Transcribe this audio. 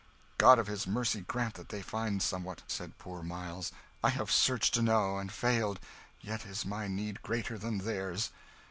"God of his mercy grant that they find somewhat," said poor Miles; "I have searched enow, and failed, yet is my need greater than theirs."